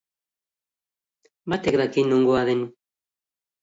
Batek daki nongoa den!